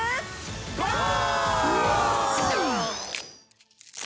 ゴー！